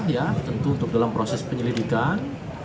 ya tentu untuk dalam proses penyelidikan